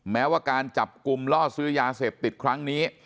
แม้ว่าการจับกลุ่มล่อซื้อยาเสพติดครั้งนี้